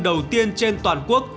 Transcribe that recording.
đầu tiên trên toàn quốc